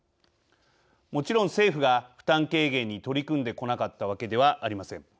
もちろん政府が、負担軽減に取り組んでこなかったわけではありません。